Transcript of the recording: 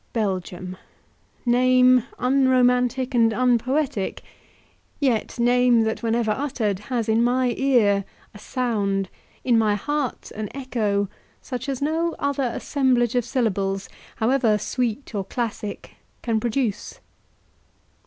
Belgium! name unromantic and unpoetic, yet name that whenever uttered has in my ear a sound, in my heart an echo, such as no other assemblage of syllables, however sweet or classic, can produce.